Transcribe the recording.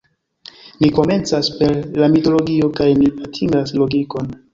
Ni komencas per la mitologio kaj ni atingas logikon.